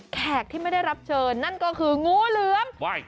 แขกที่ไม่ได้รับเชิญนั่นก็คืองูเหลือม